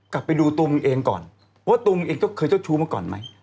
กลับไปดูตูมเองก่อนว่าตุงเองก็เคยเจ้าชู้มาก่อนไหม